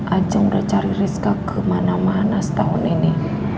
ajang udah cari rizka kemana mana setahun ini